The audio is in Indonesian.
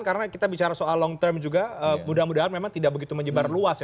karena kita bicara soal long term juga mudah mudahan memang tidak begitu menyebar luas ya